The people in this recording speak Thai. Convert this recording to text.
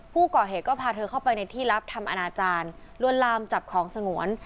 ผู้ก่อเหตุก็พาเธอเข้าไปในที่ลับทำอนาจารย์ลวนลามจับของสงวน